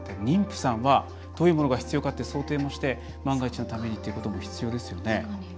妊婦さんは、どういうものが必要かって想定もして万が一のためにっていうことも必要ですよね。